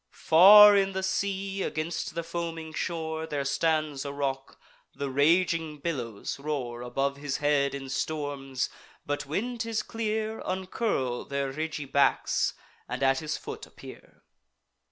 Far in the sea, against the foaming shore, There stands a rock: the raging billows roar Above his head in storms; but, when 'tis clear, Uncurl their ridgy backs, and at his foot appear.